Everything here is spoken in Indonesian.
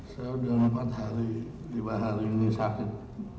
saya sudah empat hari lima hari ini sakit